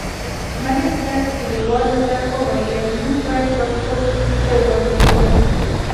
ملک صاحب کلیوالو ته وویل: موږ باید په خپلو پښو ودرېږو